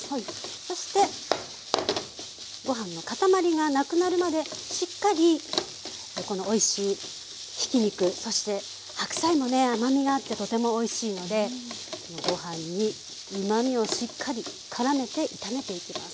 そしてご飯の塊がなくなるまでしっかりこのおいしいひき肉そして白菜もね甘みがあってとてもおいしいのでご飯にうまみをしっかり絡めて炒めていきます。